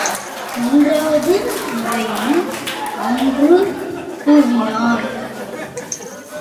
மூன்றாவது முறையும் அம்ரு கூவினார்.